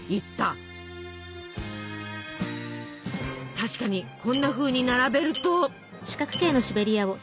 確かにこんなふうに並べると。